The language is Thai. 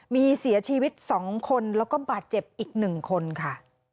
มีเสียชีวิต๒คนแล้วก็บาดเจ็บอีก๑คนค่ะ